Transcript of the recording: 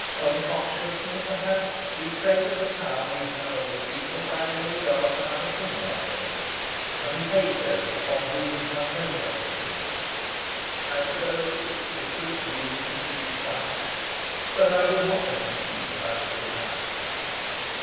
Unconsciously, perhaps, we treasure the power we have over people by their regard for our opinion of them, and we hate those upon whom we have no such influence. I suppose it is the bitterest wound to human pride. But I would not let him see that I was put out.